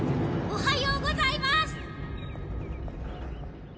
おはようございます。